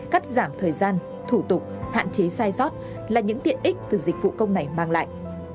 cắt giảm thời gian thủ tục hạn chế sai sót là những tiện ích từ dịch vụ công này mang lại